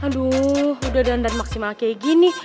aduh udah dandan maksimal kayak gini